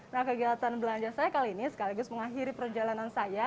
nah kegiatan belanja saya kali ini sekaligus mengakhiri perjalanan saya